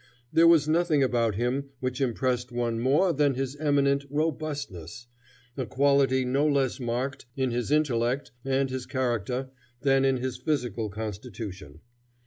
There was nothing about him which impressed one more than his eminent robustness, a quality no less marked in his intellect and his character than in his physical constitution.